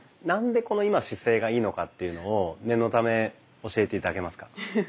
なんでこの姿勢がいいのかっていうのを念のため教えて頂けますか？